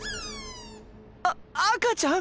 あ赤ちゃん！？